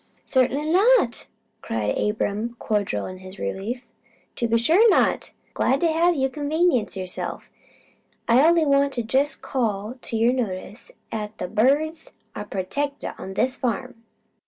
"Certainly not!" cried Abram, cordial in his relief. "To be sure not! Glad to have you convenience yourself. I only wanted to jest call to your notice 'at the BIRDS are protected on this farm."